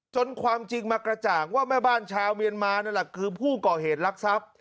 ความจริงมากระจ่างว่าแม่บ้านชาวเมียนมานั่นแหละคือผู้ก่อเหตุรักทรัพย์